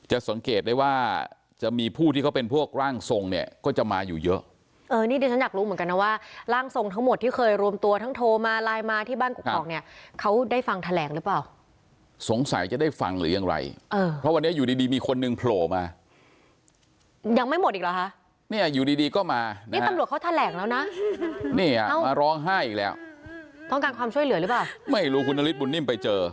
เหตุได้ว่าจะมีผู้ที่เขาเป็นพวกร่างทรงเนี้ยก็จะมาอยู่เยอะเออนี่ดิฉันอยากรู้เหมือนกันนะว่าร่างทรงทั้งหมดที่เคยรวมตัวทั้งโทรมาไลน์มาที่บ้านกุกภอกเนี้ยเขาได้ฟังแถลงหรือเปล่าสงสัยจะได้ฟังหรือยังไรเออเพราะวันนี้อยู่ดีดีมีคนนึงโผล่มายังไม่หมดอีกเหรอฮะเนี้ยอยู่ดีดีก็มานี่ตำรวจเขาแถลงแล